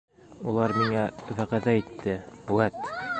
— Улар миңә вәғәҙә итте, үәт!